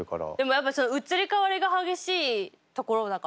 やっぱ移り変わりが激しいところだから。